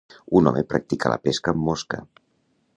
Un home practica la pesca amb mosca.